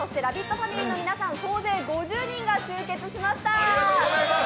ファミリーの皆さん、総勢５０名が集結しました。